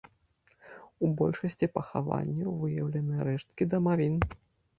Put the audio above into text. У большасці пахаванняў выяўлены рэшткі дамавін.